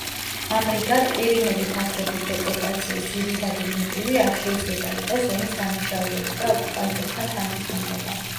ამრიგად, ყირიმელი თათრების დეპორტაციის ძირითადი მოტივი არ შეიძლება იყოს ომის დანაშაულები და ოკუპანტებთან თანამშრომლობა.